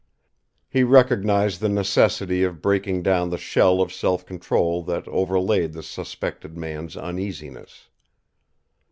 He recognized the necessity of breaking down the shell of self control that overlaid the suspected man's uneasiness.